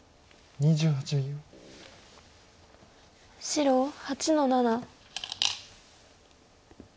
白８の七。